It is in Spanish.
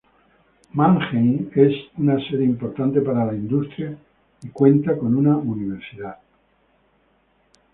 Mannheim es una sede importante para la industria y cuenta con una universidad.